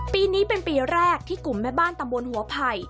ปีนี้เป็นปีแรกที่กลุ่มแม่บ้านตำบลหัวไผ่